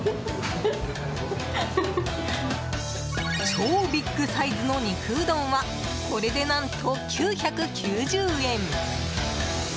超ビッグサイズの肉うどんはこれで何と、９９０円。